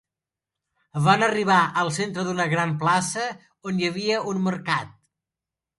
Van arribar al centre d'una gran plaça on hi havia un mercat.